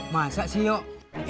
masa sih yuk